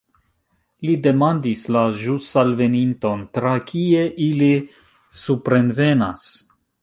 Li demandis la ĵus alveninton: "Tra kie ili suprenvenas?"